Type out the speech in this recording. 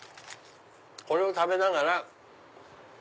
これを食べながら。